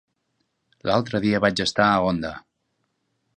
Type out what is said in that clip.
L'altre dia vaig estar a Onda.